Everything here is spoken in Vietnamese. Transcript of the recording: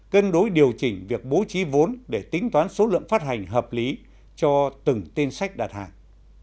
cân đối điều chỉnh việc bố trí vốn để tính toán số lượng phát hành hợp lý cho từng tên sách đặt hàng